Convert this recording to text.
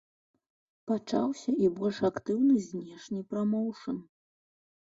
Пачаўся і больш актыўны знешні прамоўшн.